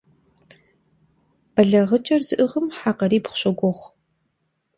БэлагъыкӀыр зыӀыгъым хьэ къарибгъу щогугъ.